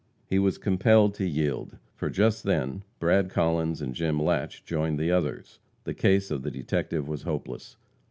He was compelled to yield, for just then Brad Collins and Jim Latche joined the others. The case of the detective was hopeless.